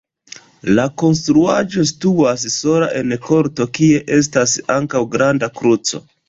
La konstruaĵo situas sola en korto, kie estas ankaŭ granda kruco.